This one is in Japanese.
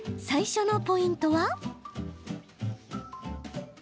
最初のポイントは？